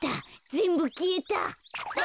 ぜんぶきえた。